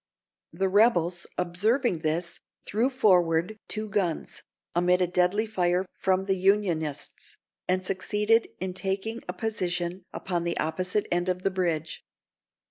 The rebels observing this, threw forward two guns, amid a deadly fire from the Unionists, and succeeded in taking a position upon the opposite end of the bridge.